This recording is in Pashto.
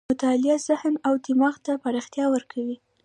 مطالعه ذهن او دماغ ته پراختیا ورکوي.